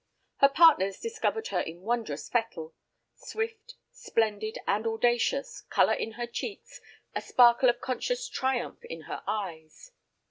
Her partners discovered her in wondrous fettle—swift, splendid, and audacious, color in her cheeks, a sparkle of conscious triumph in her eyes.